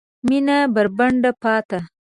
مېنه بربنډه پاته